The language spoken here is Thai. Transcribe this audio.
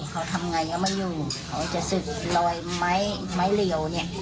เขาทำงานยังไม่อยู่เขาจะศึกลอยไม้ไม้เหลียวเนี่ย